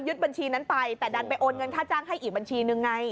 บัญชีนั้นไปแต่ดันไปโอนเงินค่าจ้างให้อีกบัญชีนึงไง